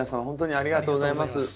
ほんとにありがとうございます。